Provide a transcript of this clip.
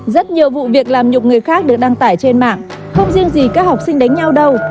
rất nhiều vụ việc làm nhục người khác được đăng tải trên mạng không riêng gì các học sinh đánh nhau đâu